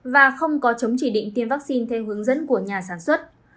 và không có chống chỉ định tiêm vaccine theo hướng dẫn của nhà sản xuất